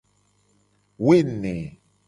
Woene.